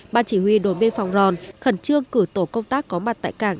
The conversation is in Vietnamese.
ban chỉ huy đồn biên phòng ròn khẩn trương cử tổ công tác có mặt tại cảng